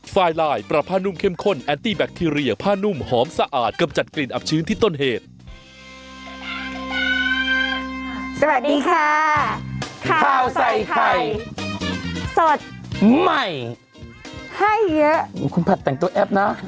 สวัสดีค่ะข้าวใส่ไข่สดใหม่ให้เยอะคุณผัดแต่งตัวแอปนะ